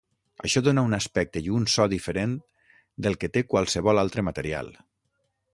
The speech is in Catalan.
Això dóna un aspecte i un so diferent del que té qualsevol altre material.